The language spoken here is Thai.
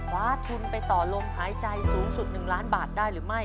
คว้าทุนไปต่อลมหายใจสูงสุด๑ล้านบาทได้หรือไม่